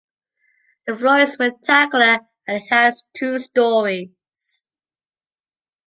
The floor is rectangular and it has two stories.